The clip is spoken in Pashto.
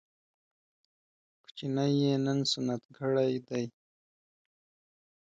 کوچنی يې نن سنت کړی دی